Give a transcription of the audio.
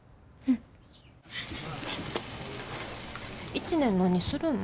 １年何するん？